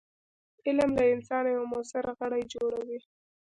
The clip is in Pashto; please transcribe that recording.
علم له انسانه یو موثر غړی جوړوي.